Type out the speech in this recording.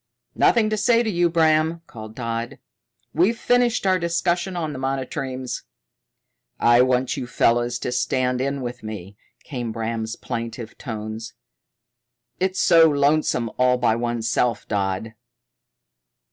"Nothing to say to you, Bram," called Dodd. "We've finished our discussion on the monotremes." "I want you fellows to stand in with me," came Bram's plaintive tones. "It's so lonesome all by one's self, Dodd."